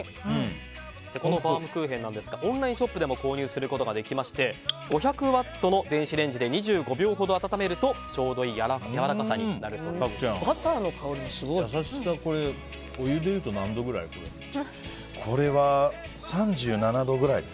このバウムクーヘンですがオンラインショップでも購入することができまして５００ワットの電子レンジで２５秒ほど温めるとちょうどいいやわらかさになるということです。